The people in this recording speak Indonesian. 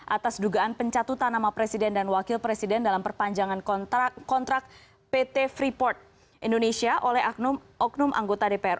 atas dugaan pencatutan nama presiden dan wakil presiden dalam perpanjangan kontrak pt freeport indonesia oleh oknum oknum anggota dpr